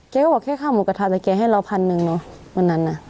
แกก็บอกแค่ข้าวหมูกระทะแต่แกให้เราพันหนึ่งเนอะวันนั้นน่ะ